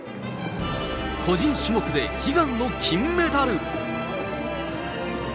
個人種目で悲願の金メダル。